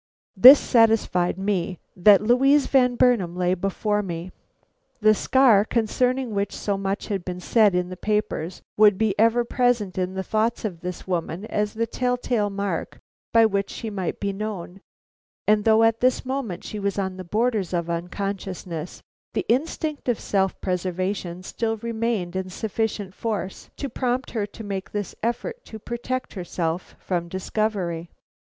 This satisfied me that Louise Van Burnam lay before me. The scar concerning which so much had been said in the papers would be ever present in the thoughts of this woman as the tell tale mark by which she might be known, and though at this moment she was on the borders of unconsciousness, the instinct of self preservation still remained in sufficient force to prompt her to make this effort to protect herself from discovery.